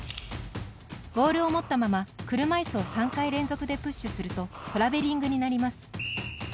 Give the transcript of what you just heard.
ボールを持ったまま、車いすを３回連続でプッシュするとトラベリングになります。